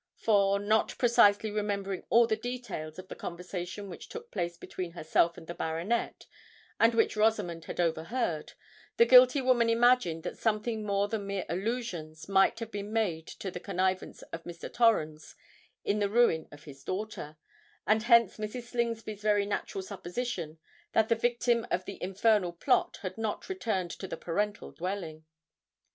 For, not precisely remembering all the details of the conversation which took place between herself and the baronet, and which Rosamond had overheard, the guilty woman imagined that something more than mere allusions might have been made to the connivance of Mr. Torrens in the ruin of his daughter; and hence Mrs. Slingsby's very natural supposition that the victim of the infernal plot had not returned to the parental dwelling.